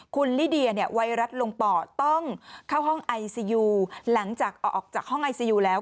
คุณลิเดียเนี่ยไวรัสลงปอดต้องเข้าห้องไอซียูหลังจากออกจากห้องไอซียูแล้ว